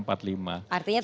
artinya tidak usah